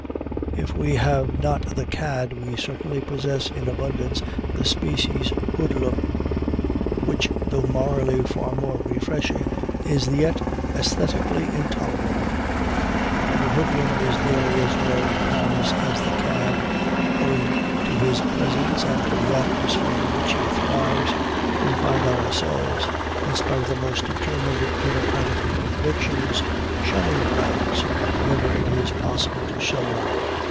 If we have not the cad, we certainly possess in abundance the species "hoodlum," which, though morally far more refreshing, is yet aesthetically intolerable; and the hoodlum is nearly as rare in Paris as the cad. Owing to his presence and to the atmosphere in which he thrives, we find ourselves, in spite of the most determined democratic convictions, shunning crowds whenever it is possible to shun them.